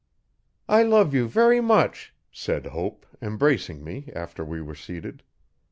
'I love you very much,' said Hope, embracing me, after we were seated.